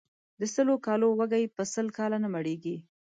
د سلو کالو وږى ، په سل کاله نه مړېږي.